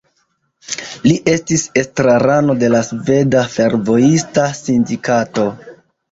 Li estis estrarano de la Sveda Fervojista Sindikato.